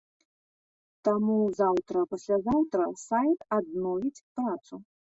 Таму заўтра-паслязаўтра сайт адновіць працу.